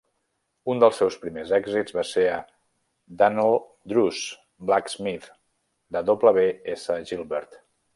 Un dels seus primers èxits va ser a "Dan'l Druce, Blacksmith" de W. S. Gilbert.